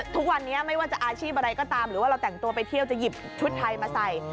ทุกวันนี้ไม่ว่าจะอาชีพอะไรก็ตามหรือว่าเราแต่งตัวไปเที่ยวจะหยิบชุดไทยมาใส่